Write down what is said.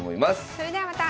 それではまた。